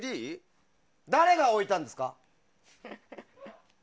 誰が置いたんですか？